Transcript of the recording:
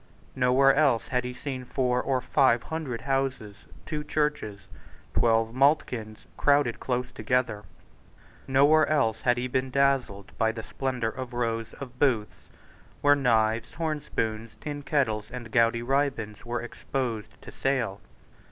Nowhere else had he seen four or five hundred houses, two churches, twelve maltkilns, crowded close together. Nowhere else had he been dazzled by the splendour of rows of booths, where knives, horn spoons, tin kettles, and gaudy ribands were exposed to sale.